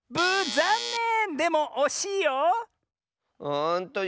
ざんねん！